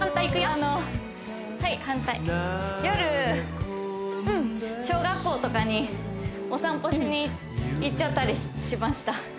あのはい反対夜小学校とかにお散歩しに行っちゃったりしました